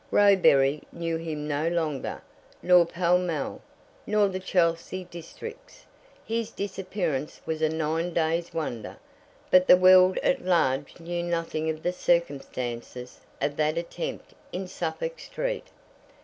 Roebury knew him no longer, nor Pall Mall, nor the Chelsea Districts. His disappearance was a nine days' wonder, but the world at large knew nothing of the circumstances of that attempt in Suffolk Street.